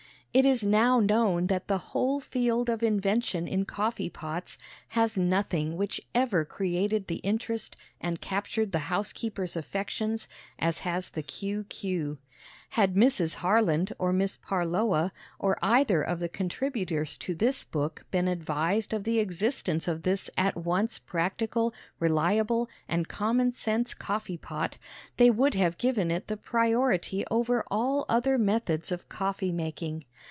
It is now known that the whole field of invention in coffee pots has nothing which ever created the interest and captured the housekeepers affections as has the Q. Q. Had Mrs. Harland or Miss Parloa, or either of the contributors to this book been advised of the existence of this at once practical, reliable and common sense coffee pot they would have given it the priority over all other methods of coffee making.